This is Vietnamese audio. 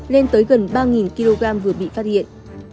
lên tới gần ba kg vừa bị phát hiện